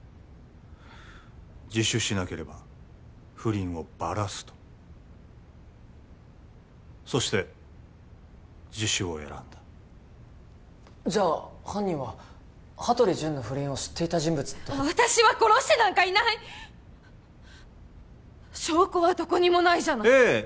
自首しなければ不倫をばらすとそして自首を選んだじゃあ犯人は羽鳥潤の不倫を知っていた人物ってこと私は殺してなんかいない証拠はどこにもないじゃないええ